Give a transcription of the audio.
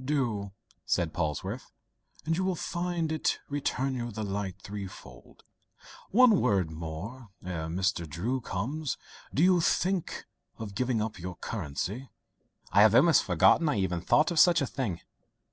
"Do," said Polwarth, "and you will find it return you the light threefold. One word more, ere Mr. Drew comes: do you still think of giving up your curacy?" "I have almost forgotten I ever thought of such a thing.